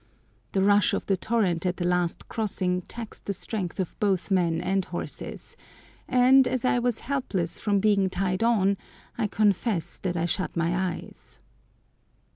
The rush of the torrent at the last crossing taxed the strength of both men and horses, and, as I was helpless from being tied on, I confess that I shut my eyes!